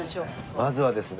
まずはですね。